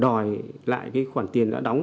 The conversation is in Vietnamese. đòi lại cái khoản tiền đã đóng